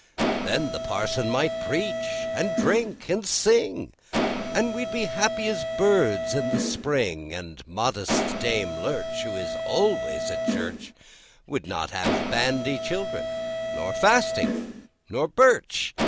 Then the Parson might preach, and drink, and sing, And we'd be as happy as birds in the spring; And modest Dame Lurch, who is always at church, Would not have bandy children, nor fasting, nor birch.